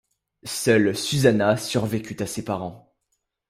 Seule Susanna survécut à ses parents.